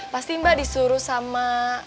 pasti mbak disuruh sama